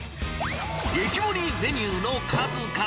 激盛りメニューの数々。